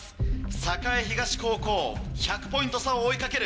栄東高校１００ポイント差を追いかける！